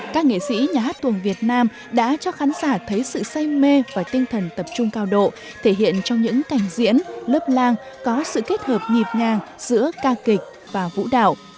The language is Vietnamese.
các nghệ sĩ nhà hát tuồng việt nam đã cho khán giả thấy sự say mê và tinh thần tập trung cao độ thể hiện trong những cảnh diễn lớp lang có sự kết hợp nhịp ngang giữa ca kịch và vũ đạo